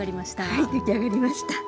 はいできあがりました。